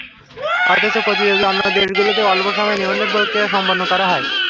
অথচ প্রতিযোগী অন্য দেশগুলোতে অল্প সময়ে নিবন্ধন প্রক্রিয়া সম্পন্ন করা হয়।